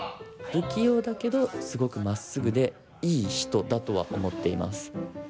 不器用だけどすごくまっすぐでいい人だとは思っています。